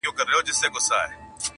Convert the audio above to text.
o مال خپل وساته، همسايه غل مه بوله٫